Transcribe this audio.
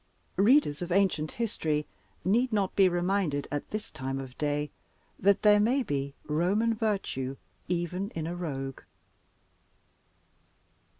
Readers of ancient history need not be reminded, at this time of day, that there may be Roman virtue even in a Rogue.